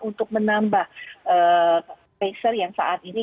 untuk menambah tracer yang saat ini